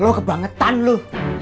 lo kebangetan lo